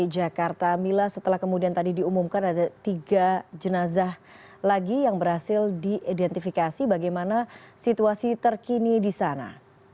jakarta mila setelah kemudian tadi diumumkan ada tiga jenazah lagi yang berhasil diidentifikasi bagaimana situasi terkini di sana